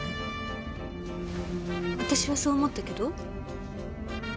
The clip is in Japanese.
私はそう思ったけど。